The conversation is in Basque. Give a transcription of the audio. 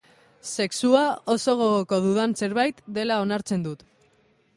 Sexua oso gogoko dudan zerbait dela onartzen dut.